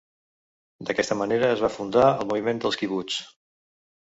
D'aquesta manera es va fundar el moviment del quibuts.